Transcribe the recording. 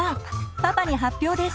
パパに発表です。